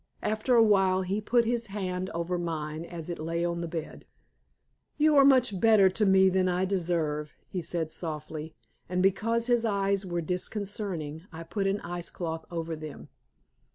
After a while he put his hand over mine as it lay on the bed. "You are much better to me than I deserve," he said softly. And because his eyes were disconcerting, I put an ice cloth over them.